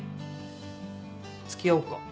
付き合おうか？